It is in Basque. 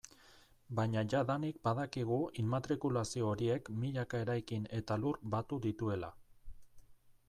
Baina jadanik badakigu immatrikulazio horiek milaka eraikin eta lur batu dituela.